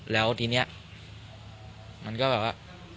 แล้วทีนี้มันก็แบบว่า